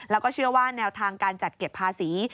แล้วก็เชื่อว่าแนวทางการจัดเก็บภาษี